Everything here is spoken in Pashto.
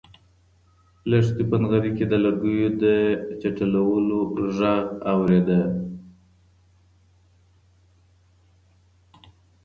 لښتې په نغري کې د لرګیو د چټکولو غږ اورېده.